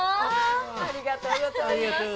ありがとうございます。